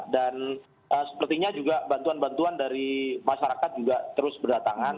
dan sepertinya juga bantuan bantuan dari masyarakat juga terus berdatangan